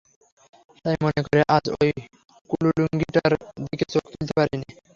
তাই মনে করে আজ ঐ কুলুঙ্গিটার দিকে চোখ তুলতে পারি নে।